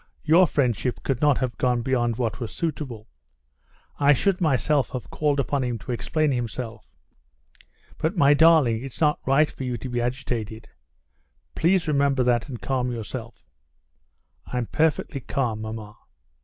Your friendship could not have gone beyond what was suitable. I should myself have called upon him to explain himself. But, my darling, it's not right for you to be agitated. Please remember that, and calm yourself." "I'm perfectly calm, maman."